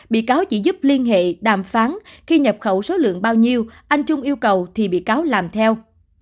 bị cáo chỉ giúp liên hệ đàm phán khi nhập khẩu số lượng bao nhiêu anh trung yêu cầu thì bị cáo làm theo